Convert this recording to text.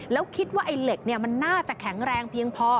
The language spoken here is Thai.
แล้วคิดว่าไอ้เหล็กมันน่าจะแข็งแรงเพียงพอ